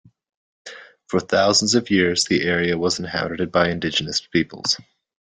For thousands of years the area was inhabited by indigenous peoples.